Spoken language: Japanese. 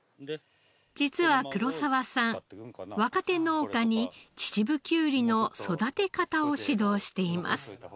実は黒澤さん若手農家に秩父きゅうりの育て方を指導しています。